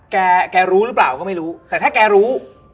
แกแกรู้หรือเปล่าก็ไม่รู้แต่ถ้าแกรู้